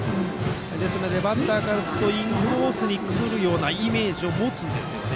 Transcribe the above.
バッターからするとインコースに来るようなイメージを持つんですよね。